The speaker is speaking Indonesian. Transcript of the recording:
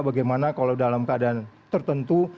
bagaimana kalau dalam keadaan tertentu